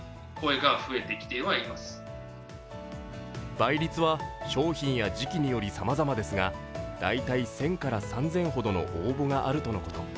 倍率は商品や時期によりさまざまですが大体１０００３０００ほどの応募があるとのこと。